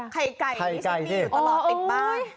ไข่ไก่ที่ฉันมีอยู่ตลอดติดบ้าน